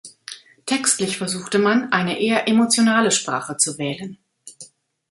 Textlich versuchte man, eine eher emotionale Sprache zu wählen.